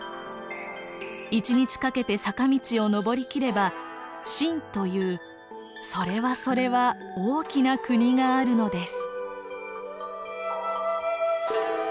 一日かけて坂道を登りきれば晋というそれはそれは大きな国があるのです。